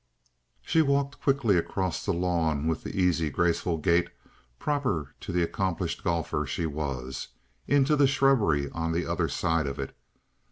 She walked quickly across the lawn with the easy, graceful gait proper to the accomplished golfer she was, into the shrubbery on the other side of it.